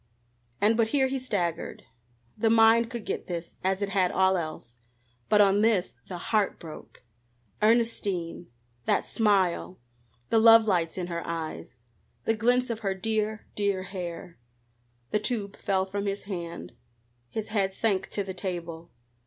And but here he staggered. The mind could get this, as it had all else, but on this the heart broke. Ernestine! that smile the love lights in her eyes the glints of her dear, dear hair The tube fell from his hand. His head sank to the table.